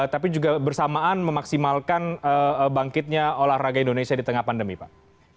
tapi juga bersamaan memaksimalkan bangkitnya olahraga indonesia di tengah pandemi pak